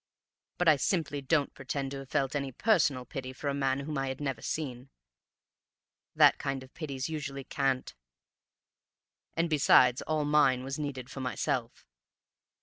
But I simply don't pretend to have felt any personal pity for a man whom I had never seen; that kind of pity's usually cant; and besides, all mine was needed for myself.